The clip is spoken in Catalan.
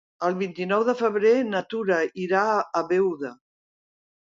El vint-i-nou de febrer na Tura irà a Beuda.